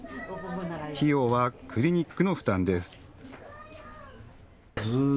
費用はクリニックの負担です。